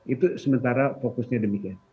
itu sementara fokusnya demikian